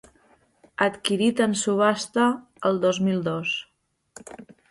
Adquirit en subhasta el dos mil dos.